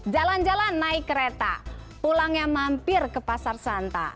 jalan jalan naik kereta pulangnya mampir ke pasar santa